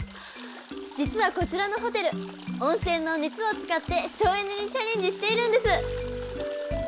実はこちらのホテル温泉の熱を使って省エネにチャレンジしているんです！